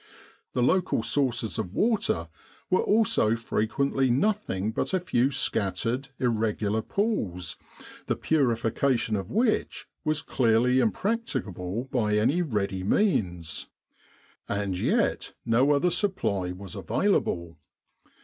The local sources of water were also frequently nothing but a few scattered, irregular pools, the purification of which was clearly impracticable by any ready means; and yet no other supply was available.